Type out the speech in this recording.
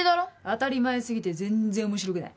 当たり前過ぎて全然面白くない。